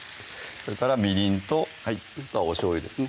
それからみりんとおしょうゆですね